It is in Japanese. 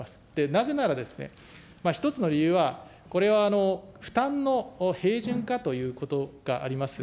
なぜならですね、１つの理由は、これは負担の平準化ということがあります。